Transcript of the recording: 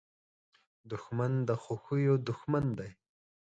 دښمن د خوښیو دوښمن دی